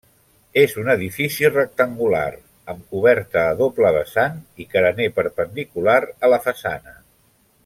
És un edifici rectangular, amb coberta a doble vessant i carener perpendicular a la façana.